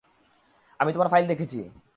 আমি তোমার ফাইল দেখেছি।